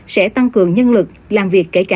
sẽ tăng cường nhân lực làm việc kể cả